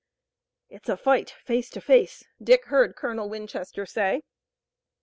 "It's a fight, face to face," Dick heard Colonel Winchester say.